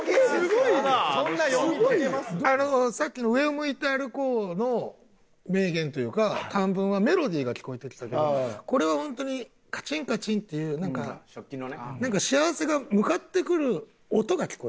さっきの「上を向いて歩こう」の名言というか短文はメロディが聞こえてきたけどこれはホントにカチンカチンっていうなんか幸せが向かってくる音が聞こえる。